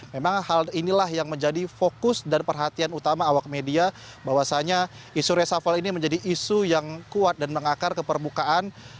memang hal inilah yang menjadi fokus dan perhatian utama awak media bahwasannya isu reshuffle ini menjadi isu yang kuat dan mengakar ke permukaan